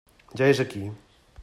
Ja és aquí.